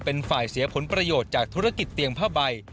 เป็นฝ่ายเสียผลประโยชน์จากธุรกิจเตียงผ้าใบ